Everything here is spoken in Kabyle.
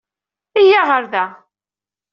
Iyya ɣer da.